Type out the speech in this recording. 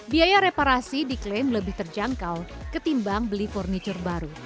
biaya reparasi diklaim lebih terjangkau ketimbang beli furniture baru